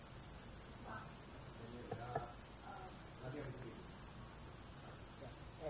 lagi yang ke tiga